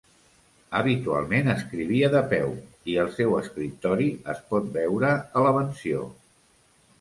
Habitualment escrivia de peu, i el seu escriptori es pot veure a la mansió.